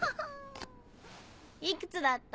いくつだった？